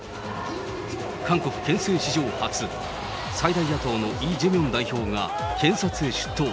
韓国憲政史上初、最大野党のイ・ジェミョン代表が検察へ出頭。